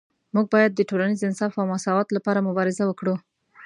موږ باید د ټولنیز انصاف او مساوات لپاره مبارزه وکړو